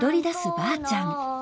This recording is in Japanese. ばあちゃん。